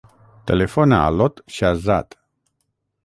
Telefona a l'Ot Shahzad.